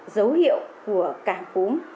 dấu hiệu của cảng cúm